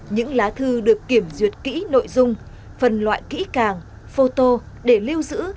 những lá thư được kiểm duyệt kỹ nội dung phần loại kỹ càng photo để lưu giữ